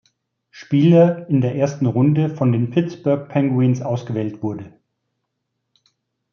Spieler in der ersten Runde von den Pittsburgh Penguins ausgewählt wurde.